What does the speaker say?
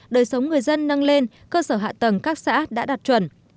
đời sống người dân nâng lên cơ sở hạ tầng các xã đã đạt chuẩn